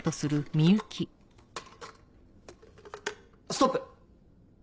ストップ！